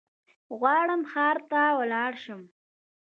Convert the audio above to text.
غواړم ښار ته ولاړشم